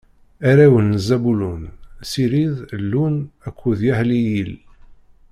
Arraw n Zabulun: Sirid, Ilun akked Yaḥliyil.